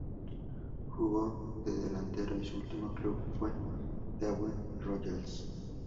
Jugó de delantero y su último club fue Daewoo Royals.